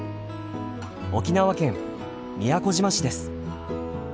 沖縄県宮古島市です。